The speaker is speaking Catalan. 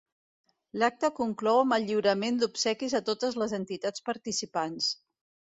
L'acte conclou amb el lliurament d'obsequis a totes les entitats participants.